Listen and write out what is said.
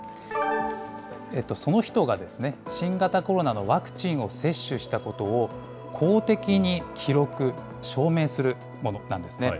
その人が、新型コロナのワクチンを接種したことを、公的に記録、証明するものなんですね。